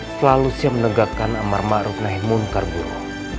selalu siap menegakkan amat ma'ruf naik munkar guru